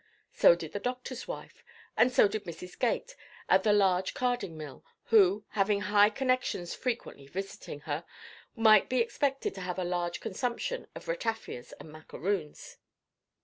So did the doctor's wife, and so did Mrs. Gate, at the large carding mill, who, having high connexions frequently visiting her, might be expected to have a large consumption of ratafias and macaroons.